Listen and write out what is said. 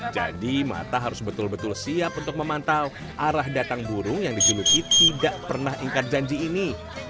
jadi mata harus betul betul siap untuk memantau arah datang burung yang dijuluki tidak pernah ingat janji ini